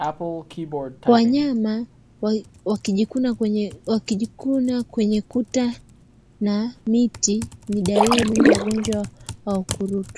Wanyama kujikuna kwenye kuta na miti ni dalili muhimu ya ugonjwa wa ukurutu